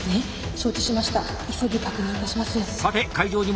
承知しました急ぎ確認いたします。